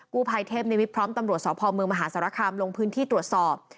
กูภัยเทพในวิพร้อมตำรวจสอบภอมเมืองมหาสารคามลงพื้นที่ตรวจสอบ